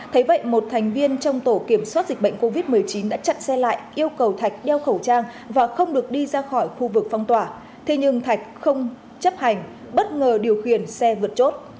thấy vậy một thành viên trong tổ kiểm soát dịch bệnh covid một mươi chín đã chặn xe lại yêu cầu thạch đeo khẩu trang và không được đi ra khỏi khu vực phong tỏa thế nhưng thạch không chấp hành bất ngờ điều khiển xe vượt chốt